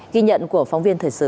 ghi nhận của phóng viên thời sự